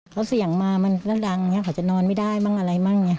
เขาเสี่ยงมามันก็ดังเนี่ยเขาจะนอนไม่ได้บ้างอะไรบ้างเนี่ย